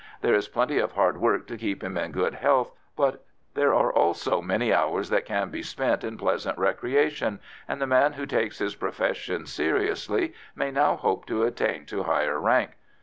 There is plenty of hard work to keep him in good health, but there are also many hours that can be spent in pleasant recreation, and the man who takes his profession seriously may now hope to attain to higher rank.